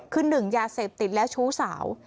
คือ๑ยาเสพติดและชู้สาว